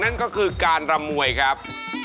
นั่นก็คือการรำมวยครับ